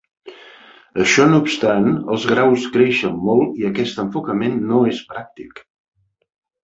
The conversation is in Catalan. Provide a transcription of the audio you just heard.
Això no obstant, els graus creixen molt i aquest enfocament no és pràctic.